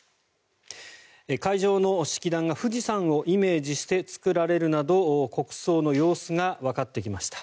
会場の式壇が富士山をイメージして作られるなど国葬の様子がわかってきました。